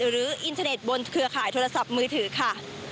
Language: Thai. หรืออินเทอร์เน็ตบนเครือข่ายโทรศัพท์มือถือค่ะ